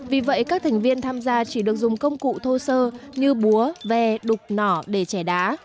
vì vậy các thành viên tham gia chỉ được dùng công cụ thô sơ như búa ve đục nỏ để trẻ đá